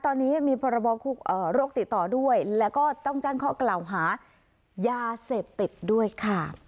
ตอนนี้มีพรบโรคติดต่อด้วยแล้วก็ต้องแจ้งข้อกล่าวหายาเสพติดด้วยค่ะ